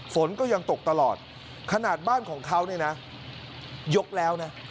ฝนก็ยังตกตลอดขนาดบ้านของเขาเนี่ยนะยกแล้วนะ